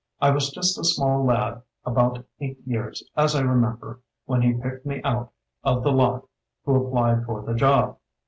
I was just a small lad about eight years as I remember, when he picked me out of the lot who applied for the job.